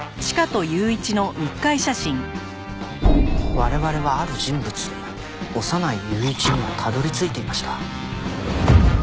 我々は「ある人物」小山内雄一にはたどり着いていました。